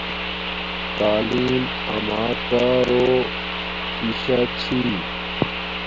تعلیم اماکارو شی شاہ چھی